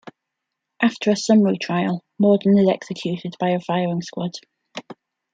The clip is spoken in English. After a summary trial, Morden is executed by a firing squad.